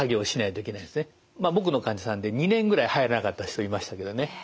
僕の患者さんで２年ぐらい入らなかった人いましたけどね。